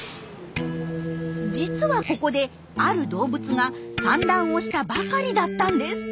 実はここである動物が産卵をしたばかりだったんです。